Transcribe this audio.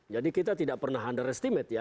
jadi kita tidak pernah underestimate